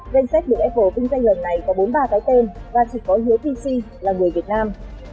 danh sách được apple vinh danh lần này có bốn mươi ba cái tên và chỉ có hứa pc là người việt nam